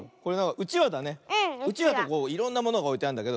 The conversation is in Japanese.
うちわといろんなものがおいてあんだけど。